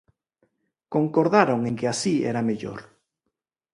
Concordaron en que así era mellor.